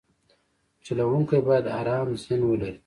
چلوونکی باید ارام ذهن ولري.